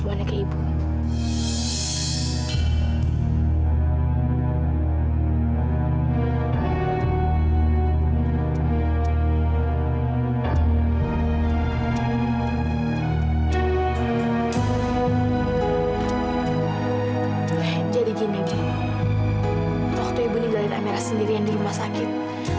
waktu ibu ninggalin amira sendiri yang dirima sakit